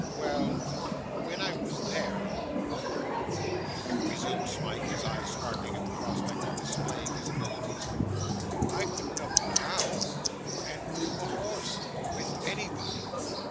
'Well, when I was there,' resumed Smike; his eyes sparkling at the prospect of displaying his abilities; 'I could milk a cow, and groom a horse, with anybody.